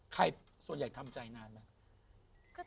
ใครส่วนใหญ่ทำใจนานไหม